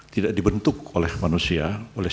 tidak dibentuk oleh manusia oleh